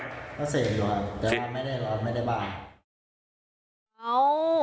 ก็เสพอยู่แต่ไม่ได้หลอนไม่ได้บ้า